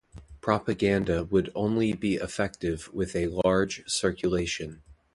Propaganda would only be effective with a large circulation.